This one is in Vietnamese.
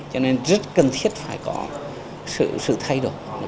cho nên rất cần thiết phải có sự thay đổi